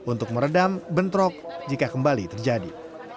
untuk meredam bentrok jika kembali terjadi